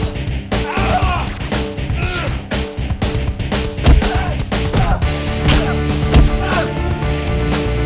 daripada gabung sama lo